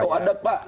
oh ada pak